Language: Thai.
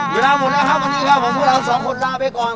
เวลาหมดแล้วครับวันนี้ครับผมพวกเราสองคนลาไปก่อน